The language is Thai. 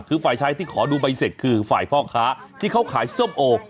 คือฝ่ายชายที่ขอดูใบเสร็จคือฝ่ายพ่อค้าที่เขาขายส้มโอ